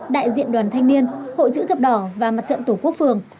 đại diện đoàn thanh niên hội chữ thập đỏ và mặt trận tổ quốc phường